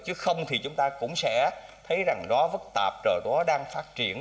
chứ không thì chúng ta cũng sẽ thấy rằng đó vất tạp đó đang phát triển